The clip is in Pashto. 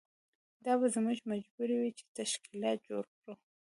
دا به زموږ مجبوري وي چې تشکیلات جوړ کړو.